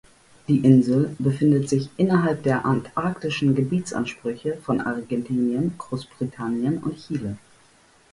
Die Insel befindet sich innerhalb der antarktischen Gebietsansprüche von Argentinien, Großbritannien und Chile.